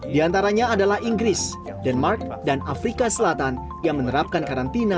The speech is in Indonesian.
di antaranya adalah inggris denmark dan afrika selatan yang menerapkan karantina